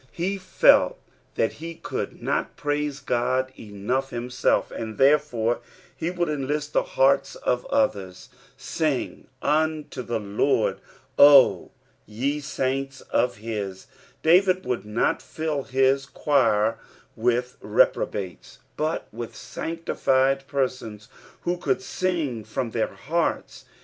He felt that he coutil not praise Uod enough himself, and therefore lie woald enlist t lie hearts of others. •' Sing vntir tAe Lord, 0 y« taintto/his." Da^id would not fill his cfaoir with reprobates, but with sanctified persons, who could sing from their hearts.